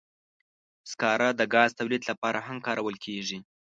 سکاره د ګاز تولید لپاره هم کارول کېږي.